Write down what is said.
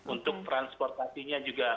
untuk transportasinya juga